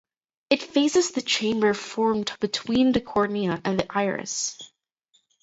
It faces the chamber formed between the cornea and the iris.